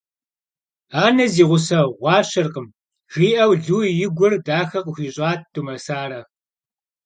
- Анэ зи гъусэ гъуащэркъым, - жиӀэу Лу и гур дахэ къыхуищӀат Думэсарэ.